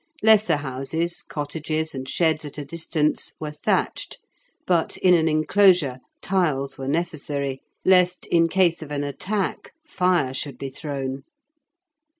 Lesser houses, cottages, and sheds at a distance were thatched, but in an enclosure tiles were necessary, lest, in case of an attack, fire should be thrown.